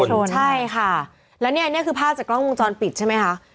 ชนใช่ค่ะแล้วเนี่ยนี่คือภาพจากกล้องวงจรปิดใช่ไหมคะ